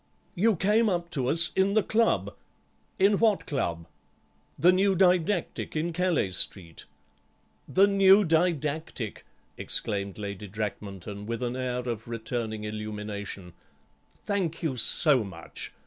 "You came up to us in the club—" "In what club?" "The New Didactic, in Calais Street." "The New Didactic!" exclaimed Lady Drakmanton with an air of returning illumination; "thank you so much.